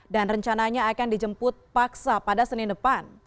dan rencananya akan dijemput paksa pada senin depan